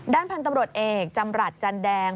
พันธุ์ตำรวจเอกจำรัฐจันแดง